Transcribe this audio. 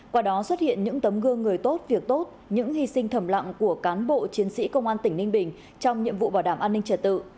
qua đó xuất hiện những tấm gương người tốt việc tốt những hy sinh thầm lặng của cán bộ chiến sĩ công an tỉnh ninh bình trong nhiệm vụ bảo đảm an ninh trật tự